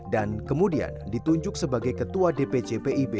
dan kemudian ditunjuk sebagai ketua dpc pib